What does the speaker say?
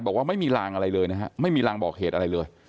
บอกว่าไม่มีรางอะไรเลยนะฮะไม่มีรางบอกเหตุอะไรเลย